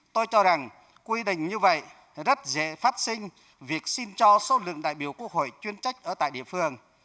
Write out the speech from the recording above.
tôi cho rằng quy định như vậy rất dễ phát sinh việc xin cho số lượng đại biểu quốc hội chuyên trách ở tại địa phương